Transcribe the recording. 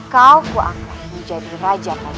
kau kuanggap menjadi raja kata cipta